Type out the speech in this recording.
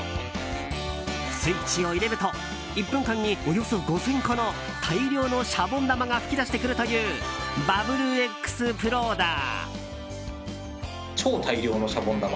スイッチを入れると１分間におよそ５０００個の大量のシャボン玉が噴き出してくるというバブルエッグスプローダー。